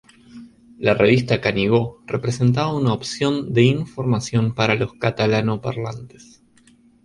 La revista Canigó representaba una opción de información para los catalano parlantes.